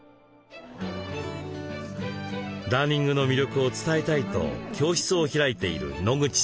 ダーニングの魅力を伝えたいと教室を開いている野口さん。